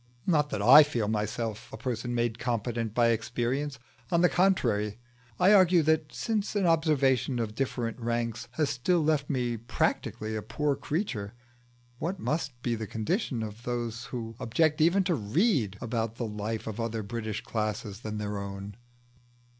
Not that I feel myself a person made competent by experience; on the contrary, I argue that since an observation of different ranks has still left me practically a poor creature, what must be the condition of those who object even to read about the life of other British classes than their own?